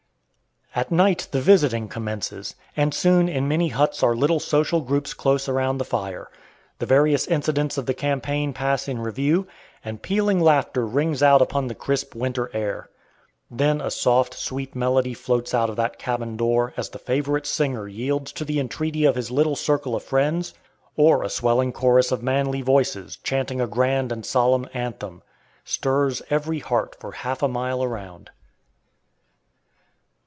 At night the visiting commences, and soon in many huts are little social groups close around the fire. The various incidents of the campaign pass in review, and pealing laughter rings out upon the crisp winter air. Then a soft, sweet melody floats out of that cabin door as the favorite singer yields to the entreaty of his little circle of friends; or a swelling chorus of manly voices, chanting a grand and solemn anthem, stirs every heart for half a mile around.